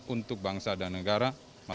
untuk bangsa dan negara